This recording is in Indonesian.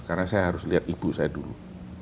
karena saya harus lihat ibu saya dulu